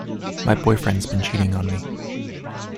My boyfriend's been cheating on me.